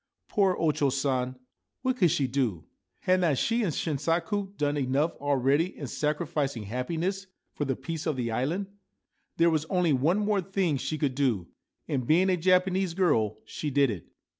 Poor O Cho San ! What could she do ? Had not she and Shinsaku done enough already in sacrificing happiness for the peace of the island? There was only one more thing she could do, and, being a Japanese girl, she did it.